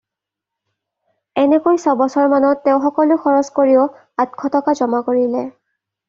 এনেকৈ ছবছৰ মানত তেওঁ সকলো খৰচ কৰিও আঠশ টকা জমা কৰিলে।